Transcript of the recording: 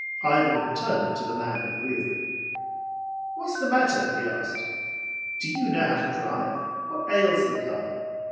Ivan turned to the man at the wheel. "What's the matter?" he asked. "Do you know how to drive? What ails the car?"